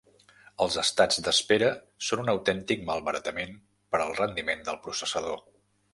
Els estats d'espera són un autèntic malbaratament per al rendiment del processador.